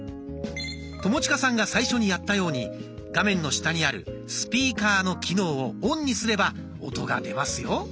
友近さんが最初にやったように画面の下にある「スピーカー」の機能をオンにすれば音が出ますよ。